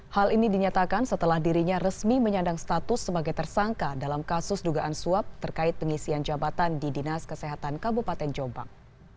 hal ini dinyatakan setelah dirinya resmi menyandang status sebagai tersangka dalam kasus dugaan suap terkait pengisian jabatan di dinas kesehatan kabupaten jombang